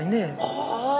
ああ。